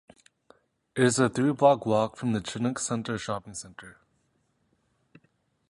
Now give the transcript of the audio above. It is a three-block walk from the Chinook Centre shopping centre.